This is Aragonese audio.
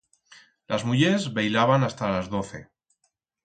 Las mullers veilaban hasta ras doce.